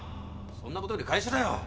そんな事より会社だよ。